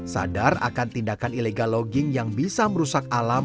sadar akan tindakan illegal logging yang bisa merusak alam